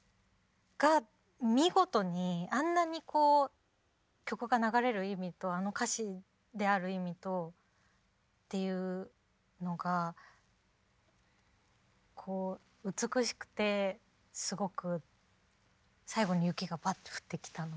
が見事にあんなにこう曲が流れる意味とあの歌詞である意味とっていうのがこう美しくてすごく最後に雪がバッと降ってきたのも。